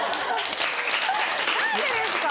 何でですか？